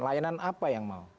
layanan apa yang mau